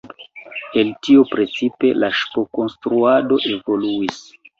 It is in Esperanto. El tio precipe la ŝipkonstruado evoluis.